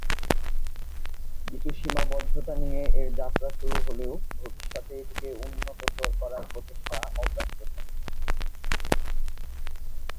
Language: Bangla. কিছু সীমাবদ্ধতা নিয়ে এর যাত্রা শুরু হলেও ভবিষ্যতে এটিকে উন্নততর করার প্রচেষ্টা অব্যাহত থাকবে।